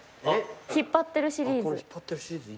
引っ張ってるシリーズ。